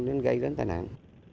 nên gây đến tài nạn